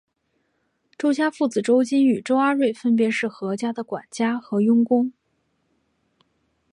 周家父子周金与周阿瑞分别是何家的管家和佣工。